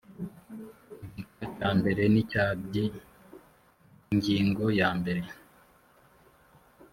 igika cya mbere n icya byi ingingo yambere